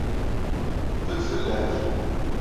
Bedd fell-ak!